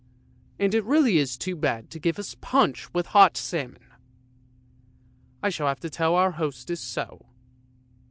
and it really is too bad to give us punch with hot salmon! I shall have to tell our hostess so!